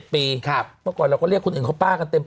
ป้าไพอายุ๕๗ปี